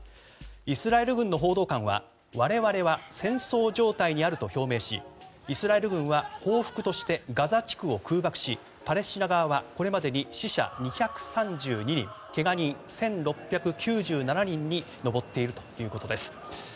イスラエル軍の報道官は我々は戦争状態にあると表明しイスラエル軍は報復としてガザ地区を空爆しパレスチナ側は、これまでに死者２３２人けが人は１６９７人に上っているということです。